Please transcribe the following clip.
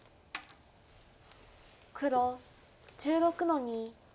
黒１６の二。